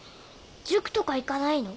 塾とか行かないの？